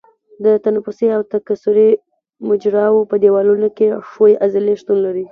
د تنفسي او تکثري مجراوو په دیوالونو کې ښویې عضلې شتون لري.